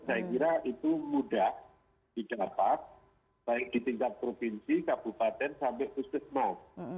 saya kira itu mudah didapat baik di tingkat provinsi kabupaten sampai puskesmas